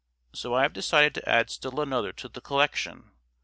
So I've decided to add still another to the collection.